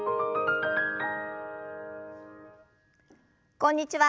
こんにちは。